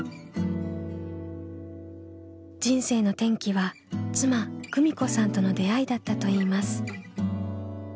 人生の転機は妻久美子さんとの出会いだったといいます。